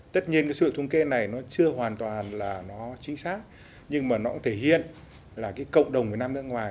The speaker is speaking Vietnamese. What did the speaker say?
tất nhiên cái số liệu thống kê này nó chưa hoàn toàn là nó chính xác nhưng mà nó thể hiện là cộng đồng người việt nam ở nước ngoài